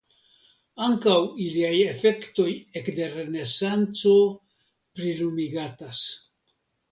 Ankaŭ iliaj efektoj ekde Renesanco prilumigatas.